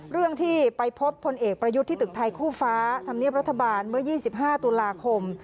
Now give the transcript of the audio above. เรื่องที่ไปพบพลเอกประยุทธ์ที่ตึกไทยคู่ฟ้าธรรมเนียบรัฐบาลเมื่อ๒๕ตุลาคม